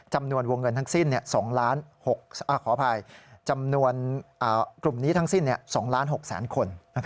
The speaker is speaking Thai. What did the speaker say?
จำนวนวงเงินทั้งสิ้น๒๖๐๐๐๐๐คน